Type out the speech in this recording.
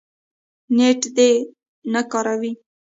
نېټ دې نه کاروي